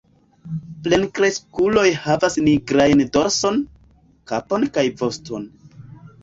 Plenkreskuloj havas nigrajn dorson, kapon kaj voston.